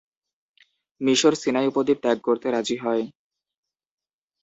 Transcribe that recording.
মিশর সিনাই উপদ্বীপ ত্যাগ করতে রাজি হয়।